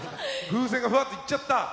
風船がふわっと行っちゃった？